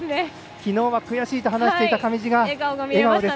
きのうは悔しいと話していた上地、笑顔です。